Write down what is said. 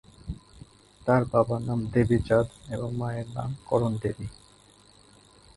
তার বাবার নাম দেবী চাঁদ এবং মায়ের নাম করণ দেবী।